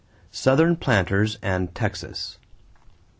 =Southern Planters and Texas.